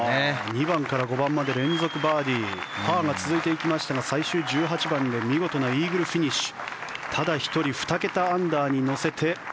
２番から５番まで連続バーディーパーが続いていきましたが最終１８番で見事なイーグルフィニッシュ。